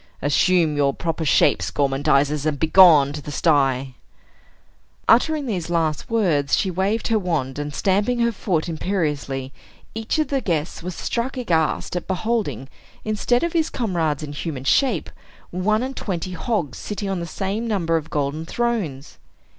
Assume your proper shapes, gormandizers, and begone to the sty!" Uttering these last words, she waved her wand; and stamping her foot imperiously, each of the guests was struck aghast at beholding, instead of his comrades in human shape, one and twenty hogs sitting on the same number of golden thrones.